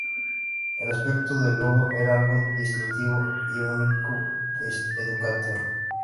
El aspecto del logo era algo distintivo y único de Educational.